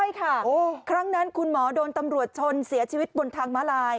ใช่ค่ะครั้งนั้นคุณหมอโดนตำรวจชนเสียชีวิตบนทางม้าลาย